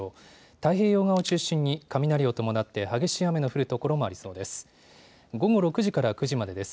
太平洋側を中心に、雷を伴って、激しい雨が降る所もありそうです。